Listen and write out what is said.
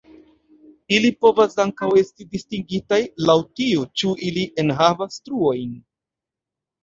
Ili povas ankaŭ esti distingitaj laŭ tio ĉu ili enhavas truojn.